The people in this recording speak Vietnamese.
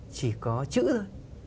chỉ có chữ thôi